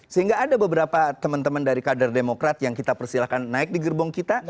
sehingga ada beberapa teman teman dari kader demokrat yang kita persilahkan naik di gerbong kita